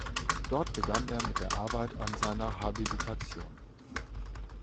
Dort begann er mit der Arbeit an seiner Habilitation.